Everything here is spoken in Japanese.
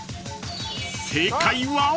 ［正解は？］